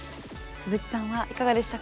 鈴木さんはいかがでしたか？